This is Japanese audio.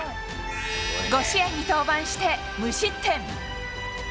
５試合に登板して無失点。